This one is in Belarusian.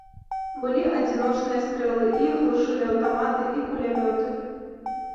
Былі адзіночныя стрэлы, і іх глушылі аўтаматы і кулямёты.